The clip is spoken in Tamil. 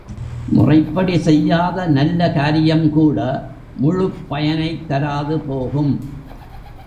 முறைப்படி செய்யாத நல்ல காரியம்கூட முழுப் பயனைத் தராதுபோகும்.